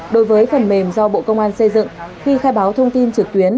đối với phần mềm do bộ công an xây dựng khi khai báo thông tin trực tuyến